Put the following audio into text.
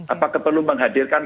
apakah perlu menghadirkan